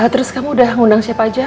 terus kamu udah ngundang siapa aja